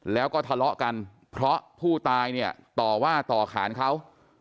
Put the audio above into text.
แล้วก็ทะเลาะกันเพราะผู้ตายเนี่ยต่อว่าต่อขานเขา